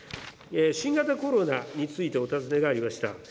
新型コロナについてお尋ねがありました。